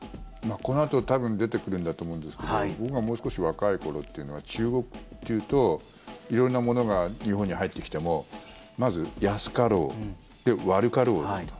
このあと多分出てくるんだと思うんですが僕がもう少し若い頃というのは中国というと色んなものが日本に入ってきてもまず安かろう悪かろうっていう。